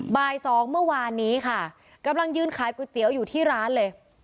บ่ายสองเมื่อวานนี้ค่ะกำลังยืนขายก๋วยเตี๋ยวอยู่ที่ร้านเลย